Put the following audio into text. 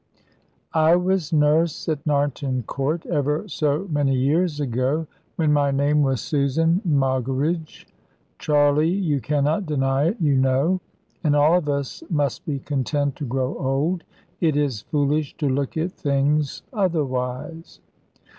"I was nurse at Narnton Court, ever so many years ago when my name was Susan Moggeridge, Charley, you cannot deny it, you know; and all of us must be content to grow old, it is foolish to look at things otherwise.